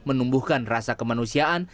menumbuhkan rasa kemanusiaan